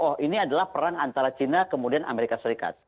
oh ini adalah perang antara china kemudian amerika serikat